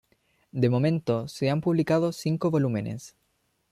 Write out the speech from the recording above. De momento, se han publicado cinco volúmenes.